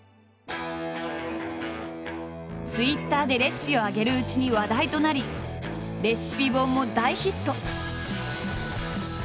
ツイッターでレシピを上げるうちに話題となりレシピ本も大ヒット！